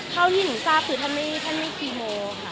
เท่าที่หนูทราบคือท่านไม่คีโมค่ะ